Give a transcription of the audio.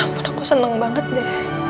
ya ampun aku seneng banget ya